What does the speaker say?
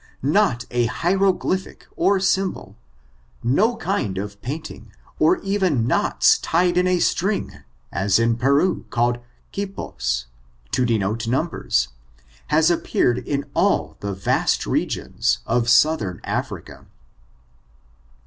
Not a hie roglyphic or symbol — no kind of painting, or even knots tied in a string, as in Peru^ called quiposj to denote numbers, has appeared in all the vast regions, of Southern Africa.